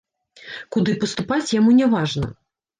Куды паступаць, яму няважна.